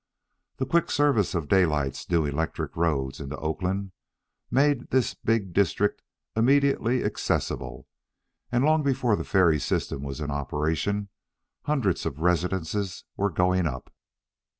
The quick service of Daylight's new electric roads into Oakland made this big district immediately accessible, and long before the ferry system was in operation hundreds of residences were going up.